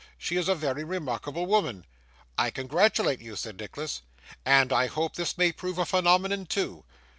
She is a very remarkable woman.' 'I congratulate you,' said Nicholas, 'and I hope this may prove a phenomenon too.